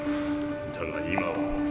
だが今は。